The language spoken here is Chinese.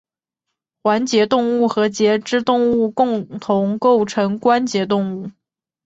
环节动物和节肢动物共同构成关节动物。